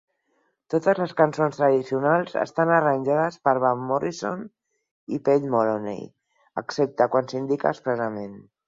Totes les cançons tradicionals estan arranjades per Van Morrison i Paddy Moloney, excepte quan s'indica expressament .